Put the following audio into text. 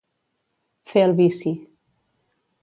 Fer el vici.